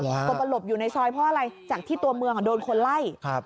คนมาหลบอยู่ในซอยเพราะอะไรจากที่ตัวเมืองโดนคนไล่